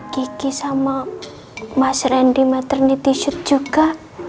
kiki sama mas randy matternity shoot juga